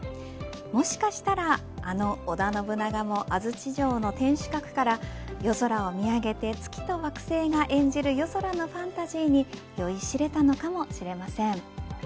もしかしたら、あの織田信長も安土城の天守閣から夜空を見上げて月と惑星が演じる夜空のファンタジーに酔いしれたのかもしれません。